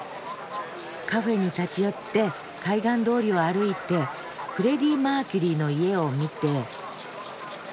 カフェに立ち寄って海岸通りを歩いてフレディ・マーキュリーの家を見て。